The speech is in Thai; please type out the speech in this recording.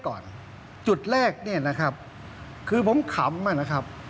ก่อนจุดแรกเนี่ยนะครับคือผมขำอ่ะนะครับ